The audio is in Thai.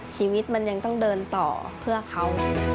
ชีวิตมันยังต้องเดินต่อเพื่อเขา